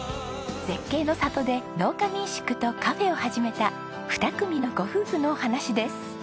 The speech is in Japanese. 絶景の里で農家民宿とカフェを始めた２組のご夫婦のお話です。